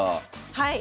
はい。